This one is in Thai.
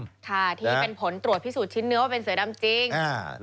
ค่ะที่เป็นผลตรวจพิสูจนชิ้นเนื้อว่าเป็นเสือดำจริงอ่า